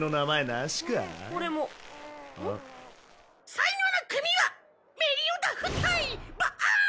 最後の組はメリオダフ対バーン！